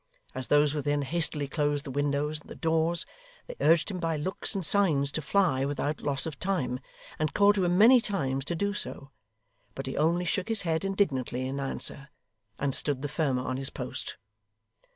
As those within hastily closed the windows and the doors, they urged him by looks and signs to fly without loss of time, and called to him many times to do so; but he only shook his head indignantly in answer, and stood the firmer on his post.